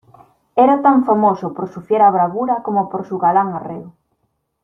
era tan famoso por su fiera bravura como por su galán arreo.